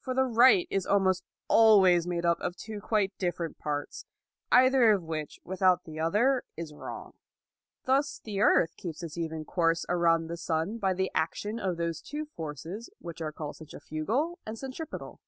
For the right is almost always made up of two quite different parts, either of which without the other is wrong. Thus the earth keeps its even course around the sun by the action of those two forces which are called centrifugal and centripetal.